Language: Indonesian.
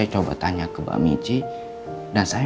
dia jadi agak prototip misteri di depan umurnya